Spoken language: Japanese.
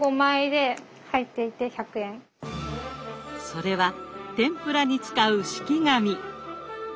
それは天ぷらに使う敷き紙。